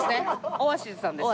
オアシズさんですね。